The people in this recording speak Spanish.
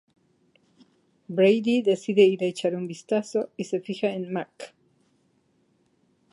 Brady decide ir a echar un vistazo y se fija en Mack.